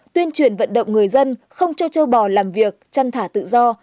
tuyên truyền vận động người dân không cho châu bò làm việc chăn thả tự do